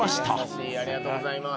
優しいありがとうございます。